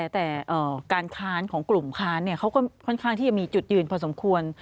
แต่การค้านของกลุ่มค้านเขาก็ค่อนข้างที่จะมีจุดยืนพอสมควร